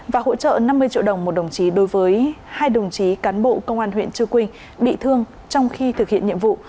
và hỗ trợ năm mươi triệu đồng một đồng chí đối với hai đồng chí cán bộ công an huyện chư quynh bị thương trong khi thực hiện nhiệm vụ